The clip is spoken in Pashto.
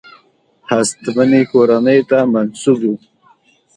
هستمنې کورنۍ ته منسوب وو.